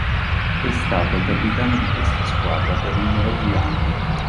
È stato capitano di questa squadra per numerosi anni.